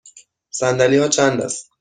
صندلی ها چند است؟